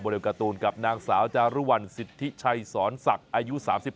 โดยการ์ตูนกับนางสาวจารุวัลสิทธิชัยสอนศักดิ์อายุ๓๓